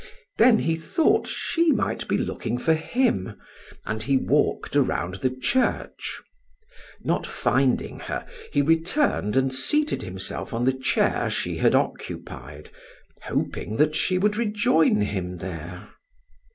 Then he thought she might be looking for him, and he walked around the church. Not finding her, he returned and seated himself on the chair she had occupied, hoping that she would rejoin him there.